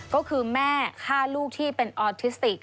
ก็คือแม่ฆ่าลูกที่เป็นออทิสติก